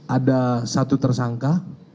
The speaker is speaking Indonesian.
ada satu tersangka